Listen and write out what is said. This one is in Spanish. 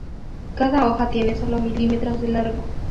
Cada hoja tiene sólo milímetros de largo.